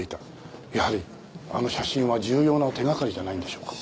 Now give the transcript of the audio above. やはりあの写真は重要な手掛かりじゃないんでしょうか。